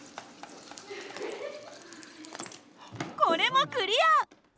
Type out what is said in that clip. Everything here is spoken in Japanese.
これもクリア！